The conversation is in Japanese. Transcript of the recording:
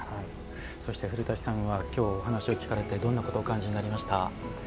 そして、古舘さんは今日、お話を聞かれてどんなことをお感じになりましたか？